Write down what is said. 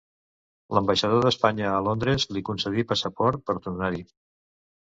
L'ambaixador d'Espanya a Londres li concedí passaport per tornar-hi.